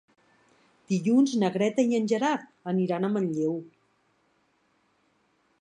Dilluns na Greta i en Gerard aniran a Manlleu.